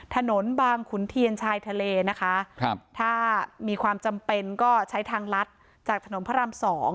บางขุนเทียนชายทะเลนะคะถ้ามีความจำเป็นก็ใช้ทางลัดจากถนนพระราม๒